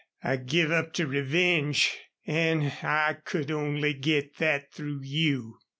I give up to revenge. An' I could only git thet through you."